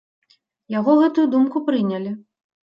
Яго гэтую думку прынялі.